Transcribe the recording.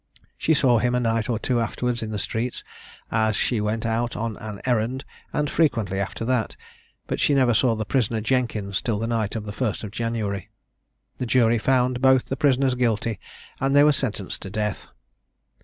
She saw him a night or two afterwards in the streets, as she went out on an errand, and frequently after that; but she never saw the prisoner Jenkins till the night of the 1st of January. The jury found both the prisoners Guilty, and they were sentenced to death.